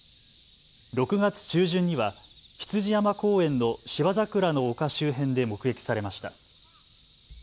６月中旬には羊山公園の芝桜の丘周辺で目撃されました。